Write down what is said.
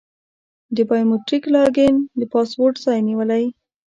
د بایو میتریک لاګین د پاسورډ ځای نیولی.